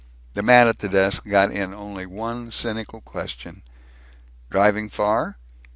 The man at the desk got in only one cynical question, "Driving far?"